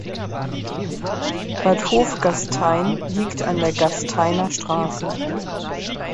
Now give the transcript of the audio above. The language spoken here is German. Bad Hofgastein liegt an der Gasteiner Straße.